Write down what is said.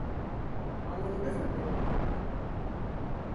Anladınız mı beni?